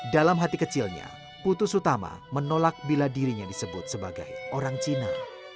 dalam hati kecilnya putus utama menolak bila dirinya disebut sebagai orang cina